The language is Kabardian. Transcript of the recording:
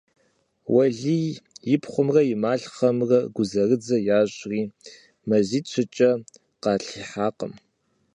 Уэлий и пхъумрэ и малъхъэмрэ гузэрыдзэ ящӀри, мазитӀ-щыкӀэ къалъихьакъым.